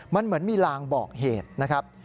มันเหมือนมีลางบอกเหตุนะครับ